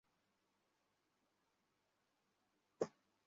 সেখানে অবস্থার অবনতি হওয়ায় তাঁকে ময়মনসিংহ মেডিকেল কলেজ হাসপাতালে ভর্তি করা হয়।